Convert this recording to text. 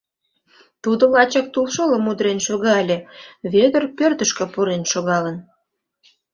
Тудо лачак тулшолым удырен шога ыле, Вӧдыр пӧртышкӧ пурен шогалын.